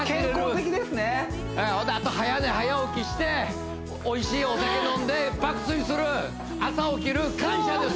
ほんであと早寝早起きしておいしいお酒飲んで爆睡する朝起きる